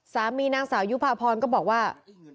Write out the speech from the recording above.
นางสาวยุภาพรก็บอกว่า